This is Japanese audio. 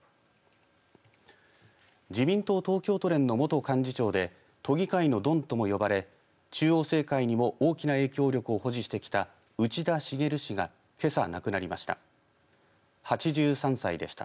自民党東京都連の元幹事長で都議会のドンとも呼ばれ中央政界にも大きな影響力を保持してきた内田茂氏がけさ亡くなりました。